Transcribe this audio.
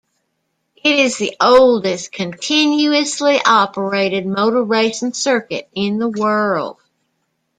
It is the oldest continuously-operated motor racing circuit in the world.